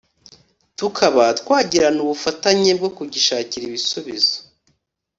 tukaba twagirana ubufatanye bwo kugishakira ibisubizo